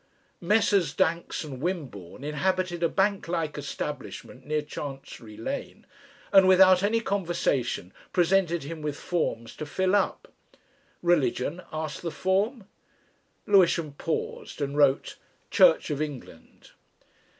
Messrs. Danks and Wimborne inhabited a bank like establishment near Chancery Lane, and without any conversation presented him with forms to fill up. Religion? asked the form. Lewisham paused and wrote "Church of England."